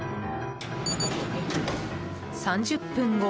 ３０分後